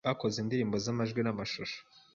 Bakoze indirimbo z’amajwi n’amashusho